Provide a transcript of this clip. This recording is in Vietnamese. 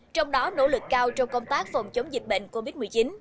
trong đó nỗ lực cao trong công tác phòng chống dịch bệnh covid một mươi chín